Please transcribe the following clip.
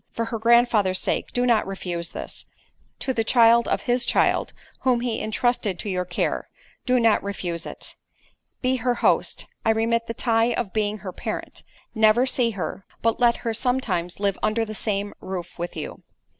For her grandfather's sake do not refuse this—to the child of his child, whom he entrusted to your care, do not refuse it. "Be her host; I remit the tie of being her parent. Never see her—but let her sometimes live under the same roof with you.